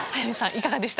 いかがでしたか？